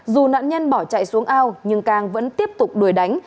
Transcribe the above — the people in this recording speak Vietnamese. dù nạn nhân bỏ chạy xuống ao nhưng cang vẫn tiếp tục đuổi đánh